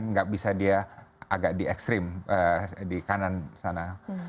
nggak bisa dia agak di ekstrim di kanan sana